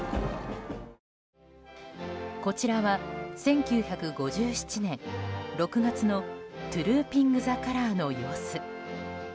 こちらは、１９５７年６月のトゥルーピング・ザ・カラーの様子。